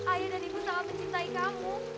ayah dan ibu sangat mencintai kamu